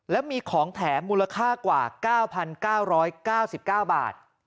และมีของแถมมูลค่ากว่า๙๙๙๙บาท